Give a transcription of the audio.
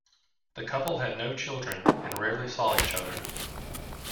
The couple had no children, and rarely saw each other.